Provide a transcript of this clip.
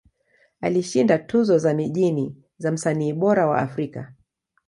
Alishinda tuzo za mijini za Msanii Bora wa Afrika.